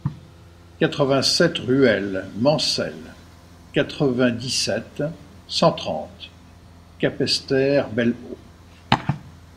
quatre-vingt-sept ruelle Mancel, quatre-vingt-dix-sept, cent trente, Capesterre-Belle-Eau